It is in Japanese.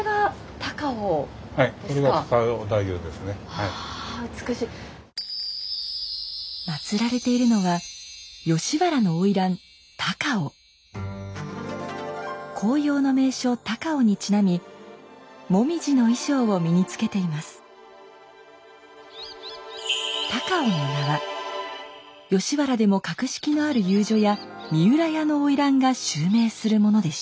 高尾の名は吉原でも格式のある遊女屋三浦屋の花魁が襲名するものでした。